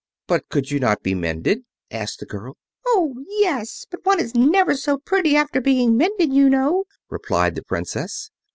"But could you not be mended?" asked the girl. "Oh, yes; but one is never so pretty after being mended, you know," replied the Princess.